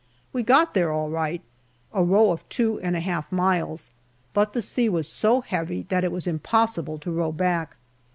We got there all right, a row of two and a half miles, but the sea was so heavy that it was impossible to row back.